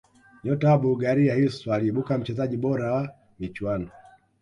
nyota wa bulgaria hristo aliibuka mchezaji bora wa michuano